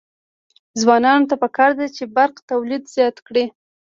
ځوانانو ته پکار ده چې، برق تولید زیات کړي.